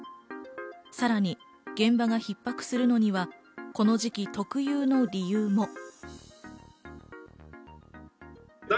さらに現場が逼迫するのにはこの時期特有の理由も。